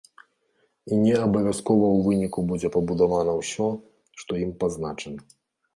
І не абавязкова ў выніку будзе пабудавана ўсё, што ў ім пазначана.